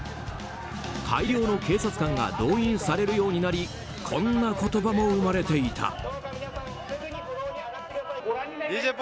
大量の警察官が動員されるようになりこんな言葉も生まれていた。